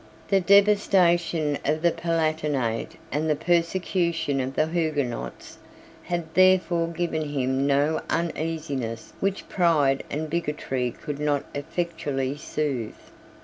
The devastation of the Palatinate and the persecution of the Huguenots had therefore given him no uneasiness which pride and bigotry could not effectually soothe.